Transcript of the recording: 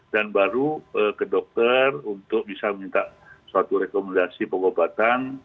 dan baru ke dokter untuk bisa minta suatu rekomendasi pengobatan